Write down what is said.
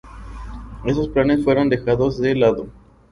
Esos planes fueron dejados de lado.